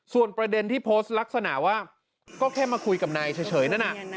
ส่วนประเด็นที่โพสต์ลักษณะว่าก็แค่มาคุยกับนายเฉยนั่นน่ะ